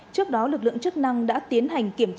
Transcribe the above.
trước đó lực lượng chức năng đã tiến hành kiểm tra